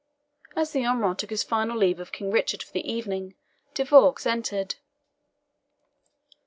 As the Omrah took his final leave of King Richard for the evening, De Vaux entered.